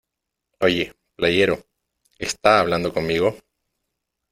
¡ Oye , playero !¿ esta hablando conmigo ?